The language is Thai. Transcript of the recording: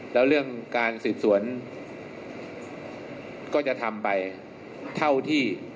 แล้วเรื่องการสืบสวนก็จะทำไปเท่าที่